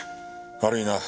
悪いな。